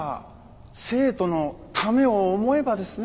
生徒のためを思えばですね